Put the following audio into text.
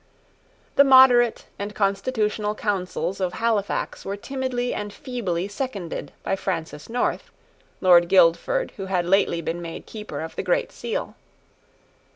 The moderate and constitutional counsels of Halifax were timidly and feebly seconded by Francis North, Lord Guildford who had lately been made Keeper of the Great Seal.